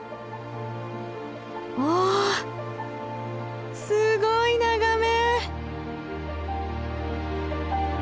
わあすごい眺め！